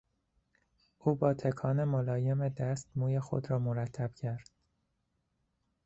او با تکان ملایم دست موی خود را مرتب کرد.